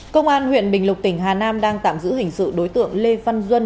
công an huyện bình lục tỉnh hà nam đang tạm giữ hình sự đối tượng lê văn duân